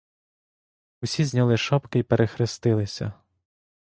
Усі зняли шапки й перехрестилися.